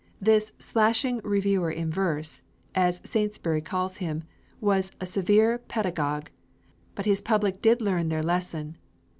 This "slashing reviewer in verse," as Saintsbury calls him, was a severe pedagogue, but his public did learn their lesson.